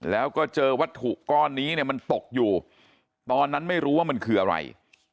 แล้วก็เจอวัตถุก้อนนี้เนี่ยมันตกอยู่ตอนนั้นไม่รู้ว่ามันคืออะไร